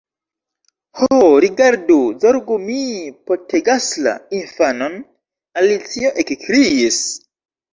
"Ho, rigardu, zorgu, mi petegasla infanon!" Alicio ekkriis.